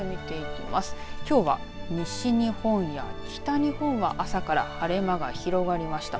きょうは西日本や北日本は朝から晴れ間が広がりました。